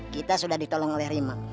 kita sudah ditolong oleh rima